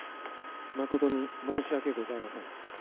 誠に申し訳ございません。